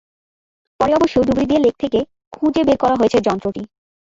পরে অবশ্য ডুবুরি দিয়ে লেক থেকে খুঁজে বের করা হয়েছে যন্ত্রটি।